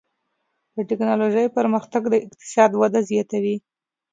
د ټکنالوجۍ پرمختګ د اقتصاد وده زیاتوي.